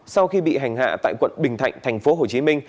sau khi bị hành hạ tại quận bình thạnh tp hcm